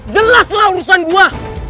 jelas lah urusan gue